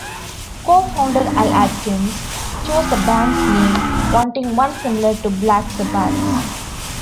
Co-founder Al Atkins chose the band's name, wanting one similar to Black Sabbath's.